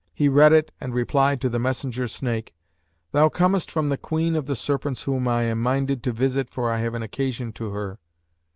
He read it and replied to the messenger snake, 'Thou comest from the Queen of the Serpents whom I am minded to visit for I have an occasion to her.'